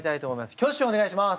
挙手をお願いします。